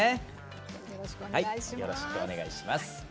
よろしくお願いします。